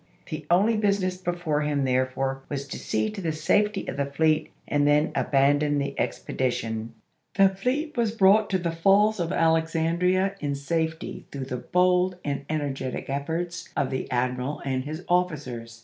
The only business before him therefore was to see to the safety of the fleet and then aban don the expedition. The fleet was brought to the falls at Alexandria OLUSTEE AND THE RED RIVEE 297 in safety through the bold and energetic efforts of the admiral and his officers.